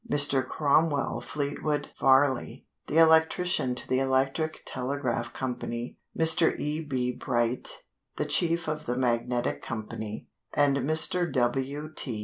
_ Mr. Cromwell Fleetwood Varley, the electrician to the Electric Telegraph Company, Mr. E. B. Bright, the chief of the "Magnetic" Company; and Mr. W. T.